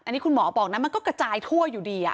อันนี้คุณหมอบอกนะมันก็กระจายทั่วอยู่ดี